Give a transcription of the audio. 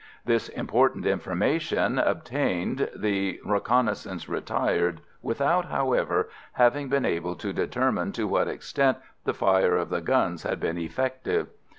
This important information obtained, the reconnaissance retired, without, however, having been able to determine to what extent the fire of the guns had been effective.